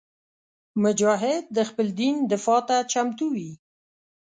مجاهد د خپل دین دفاع ته چمتو وي.